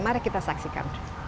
mari kita saksikan